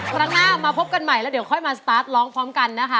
ครั้งหน้ามาพบกันใหม่แล้วเดี๋ยวค่อยมาสตาร์ทร้องพร้อมกันนะคะ